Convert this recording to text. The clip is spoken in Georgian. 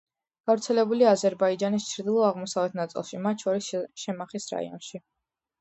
გავრცელებულია აზერბაიჯანის ჩრდილო-აღმოსავლეთ ნაწილში, მათ შორის შემახის რაიონში.